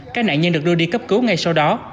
các nạn nhân được đưa đi cấp cứu ngay sau đó